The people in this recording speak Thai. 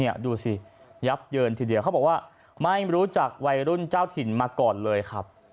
ดูสิยับเยินทีเดียวเขาบอกว่าไม่รู้จักวัยรุ่นเจ้าถิ่นมาก่อนเลยครับ